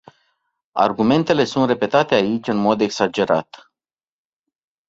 Argumentele sunt repetate aici în mod exagerat.